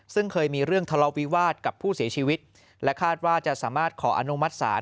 ซึ่งเคยมีเรื่องทะเลาวิวาสกับผู้เสียชีวิตและคาดว่าจะสามารถขออนุมัติศาล